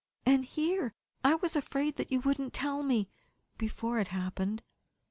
And here, I was afraid you wouldn't tell me before it happened.